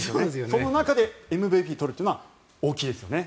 その中でＭＶＰを取るというのは大きいですね。